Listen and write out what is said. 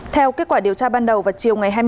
theo kết quả điều tra ban đầu vào chiều ngày